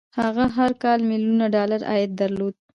هغه هر کال ميليونونه ډالر عايد درلود.